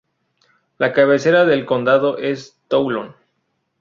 La cabecera del condado es Toulon.